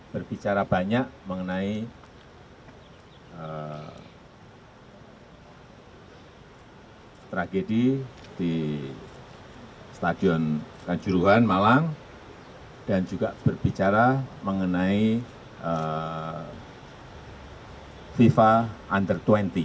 berbicara banyak mengenai tragedi di stadion kanjuruhan malang dan juga berbicara mengenai fifa under dua puluh